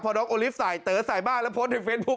พอน้องโอลิฟต์ใส่เต๋อใส่บ้านแล้วโพสต์ในเฟซบุ๊